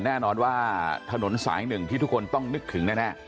แน่นอนว่าถนนสายหนึ่งที่ทุกคนต้องนึกถึงแน่